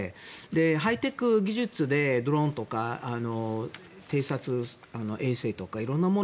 ハイテク技術でドローンとか偵察衛星とかいろんなもの